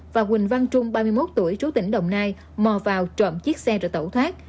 và quỳnh văn trung ba mươi một tuổi chú tỉnh đồng nai mò vào trộm chiếc xe rồi tẩu thoát